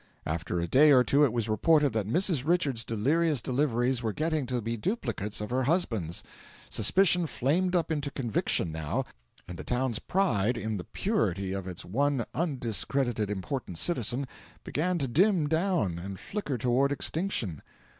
After a day or two it was reported that Mrs. Richards's delirious deliveries were getting to be duplicates of her husband's. Suspicion flamed up into conviction, now, and the town's pride in the purity of its one undiscredited important citizen began to dim down and flicker toward extinction.